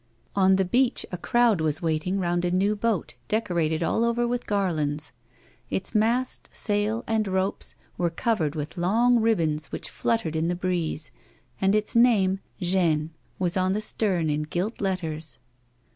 On the beach a crowd was waiting round a new boat decorated all over with garlands ; its mast, sail, and ropes were covered with lung ribbons which fluttered in the breeze, and its name, " Jeanne," was on the stern in gilt letters.